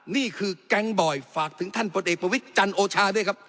นี่คือแก๊งบ่อยฝากถึงท่านพลเอกประวิทย์จันทร์โอชาด้วยครับ